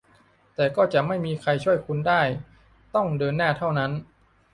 แต่ก็จะไม่มีใครช่วยคุณได้ต้องเดินหน้าเท่านั้น